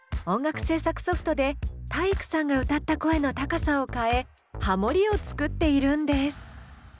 音楽制作ソフトで体育さんが歌った声の高さを変えハモリを作っているんです。